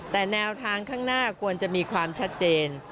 แต่แนวทางข้างหน้าควรจะมีความชัดเจน